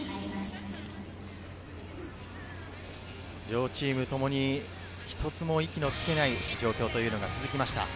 両チームともに息のつけない状況が続きました。